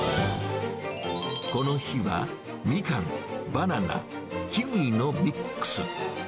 この日は、ミカン、バナナ、キウイのミックス。